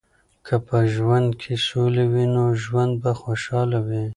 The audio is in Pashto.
که په ټولنه کې سولې وي، نو ژوند به خوشحاله وي.